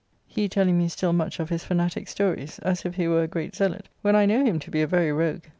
] he telling me still much of his Fanatique stories, as if he were a great zealot, when I know him to be a very rogue.